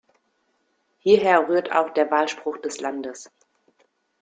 Hierher rührt auch der Wahlspruch des Landes.